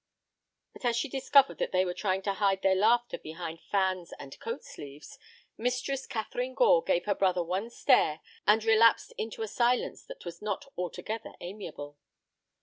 But as she discovered that they were trying to hide their laughter behind fans and coat sleeves, Mistress Catharine Gore gave her brother one stare, and relapsed into a silence that was not altogether amiable.